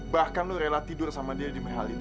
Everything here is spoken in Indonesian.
bahkan lo rela tidur sama dia di mahal itu